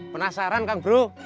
penasaran kang bro